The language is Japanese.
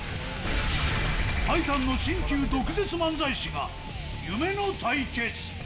タイタンの新旧毒舌漫才師が夢の対決。